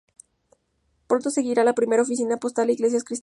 Pronto seguirían la primera oficina postal e iglesias cristianas.